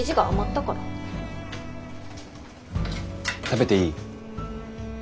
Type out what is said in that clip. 食べていい？